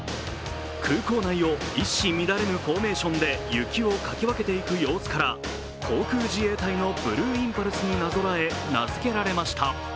空港内を一糸乱れぬフォーメーションで、雪をかき分けていく様子から航空自衛隊のブルーインパルスになぞらえ、名付けられました。